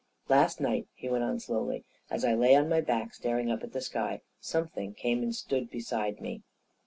" Last night," he went on slowly, " as I lay on my back, staring up at the sky, something came and stood beside me."